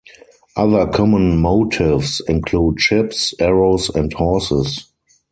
Other common motifs include ships, arrows and horses.